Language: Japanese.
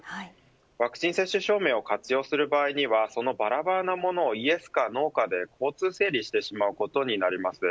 ワクチン接種証明を活用する場合にはそのばらばらなものをイエスかノーかで交通整理してしまうことになります。